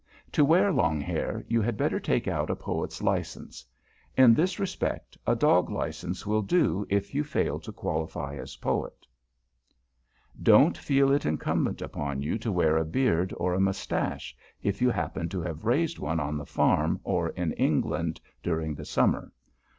To wear long hair, you had better take out a Poet's license. In this respect a dog license will do if you fail to qualify as Poet. [Sidenote: WHISKERS AND SUCH] Don't feel it incumbent upon you to wear a beard or a moustache, if you happen to have raised one on the farm or in England, during the summer.